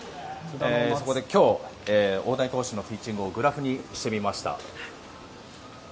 そこで今日、大谷投手のピッチングをグラフにしてみました。